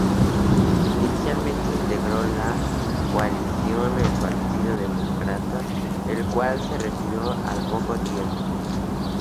Inicialmente integró la coalición el Partido Demócrata, el cual se retiró al poco tiempo.